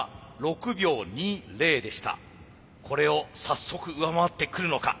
これを早速上回ってくるのか。